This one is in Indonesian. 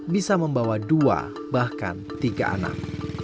bisa membawa dua bahkan tiga anak